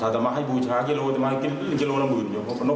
ถ้าจะมาให้บูชากิโลเมตรจะมาให้กิโลละหมื่นอยู่